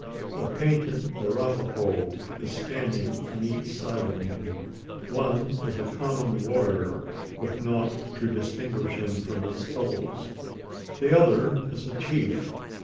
A painted Arapaho is standing on each side of me. One is a common warrior, with nought to distinguish him from his fellows. The other is a chief.